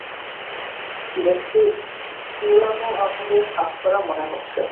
দেখতে পুরানো আমলের হাতকড়া মনে হচ্ছে।